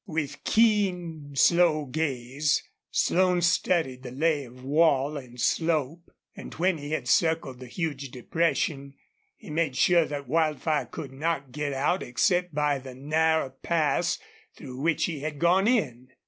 With keen, slow gaze Slone studied the lay of wall and slope, and when he had circled the huge depression he made sure that Wildfire could not get out except by the narrow pass through which he had gone in.